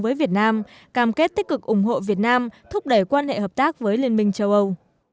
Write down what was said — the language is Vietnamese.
với việt nam cam kết tích cực ủng hộ việt nam thúc đẩy quan hệ hợp tác với liên minh châu âu